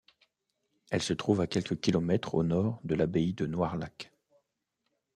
Elle se trouve à quelques kilomètres au nord de l'abbaye de Noirlac.